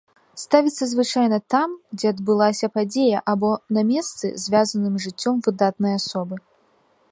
Ставіцца звычайна там, дзе адбылася падзея або на месцы, звязаным з жыццём выдатнай асобы.